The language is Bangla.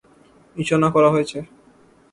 নিশানা করা হয়েছে।